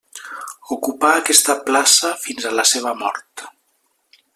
Ocupà aquesta plaça fins a la seva mort.